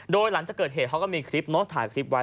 โดยหลังจากเกิดเหตุเขาก็มีคลิปเนอะถ่ายคลิปไว้